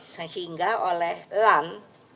sehingga oleh lan